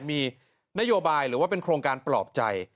มีนโยบายหรือว่าเป็นโครงการปลอบใจ